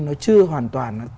nó chưa hoàn toàn